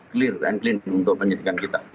clear and clean untuk penyidikan kita